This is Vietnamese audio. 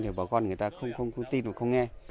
thì bà con người ta không tin và không nghe